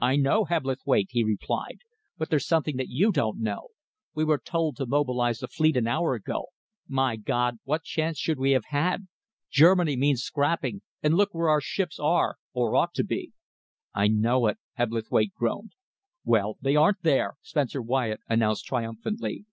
"I know, Hebblethwaite," he replied, "but there's something that you don't know. We were told to mobilise the fleet an hour ago. My God, what chance should we have had! Germany means scrapping, and look where our ships are, or ought to be." "I know it," Hebblethwaite groaned. "Well, they aren't there!" Spencer Wyatt announced triumphantly.